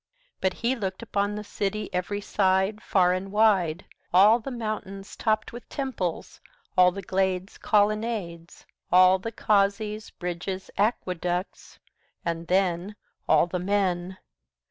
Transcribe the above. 60 But he looked upon the city, every side, Far and wide, All the mountains topped with temples, all the glades' Colonnades, All the causeys, bridges, aqueducts and then, 65 All the men!